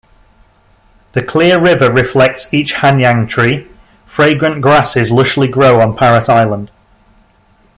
The clear river reflects each Hanyang tree, fragrant grasses lushly grow on Parrot Island.